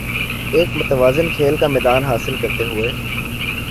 ایک متوازن کھیل کا میدان حاصل کرتے ہوے